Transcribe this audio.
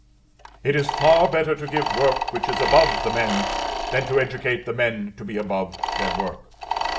It is far better to give work which is above the men, than to educate the men to be above their work.